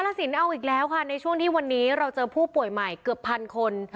สินเอาอีกแล้วค่ะในช่วงที่วันนี้เราเจอผู้ป่วยใหม่เกือบพันคน